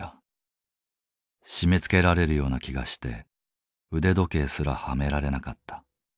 締めつけられるような気がして腕時計すらはめられなかった。